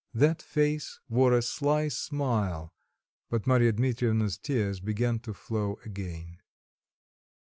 That face wore a sly smile, but Marya Dmitrievna's tears began to flow again.